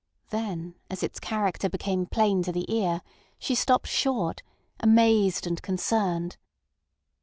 Then as its character became plain to the ear she stopped short, amazed and concerned.